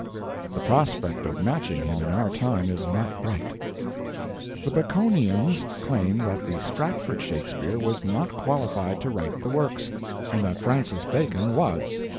The prospect of matching him in our time is not bright. The Baconians claim that the Stratford Shakespeare was not qualified to write the Works, and that Francis Bacon was.